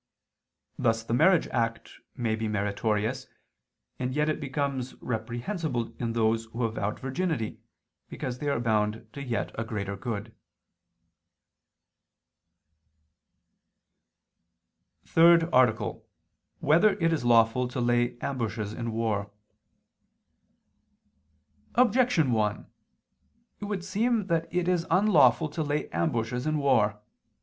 Thus the marriage act may be meritorious; and yet it becomes reprehensible in those who have vowed virginity, because they are bound to a yet greater good. _______________________ THIRD ARTICLE [II II, Q., 40, Art. 3] Whether It Is Lawful to Lay Ambushes in War? Objection 1: It would seem that it is unlawful to lay ambushes in war.